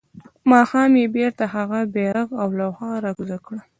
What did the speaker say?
ماښام يې بيرته هغه بيرغ او لوحه راکوزه کړه.